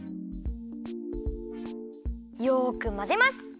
よくまぜます。